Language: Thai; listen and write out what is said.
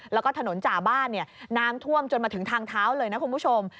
แล้วก็ถนนจ่าบ้านน้ำท่วมจนมาถึงทางเท้าเลยนะคุณผู้ชม